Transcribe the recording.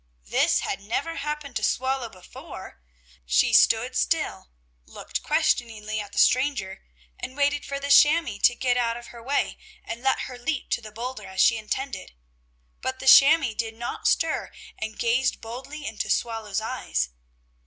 This had never happened to Swallow before! She stood still, looked questioningly at the stranger and waited for the chamois to get out of her way and let her leap to the boulder, as she intended. But the chamois did not stir and gazed boldly into Swallow's eyes.